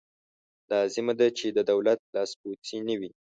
لازمه ده چې د دولت لاسپوڅې نه وي.